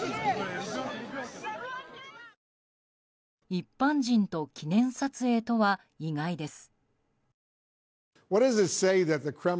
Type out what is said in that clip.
一般人と記念撮影とは意外です。